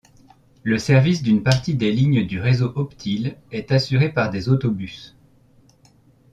Le service d'une partie des lignes du réseau Optile est assuré par des autobus.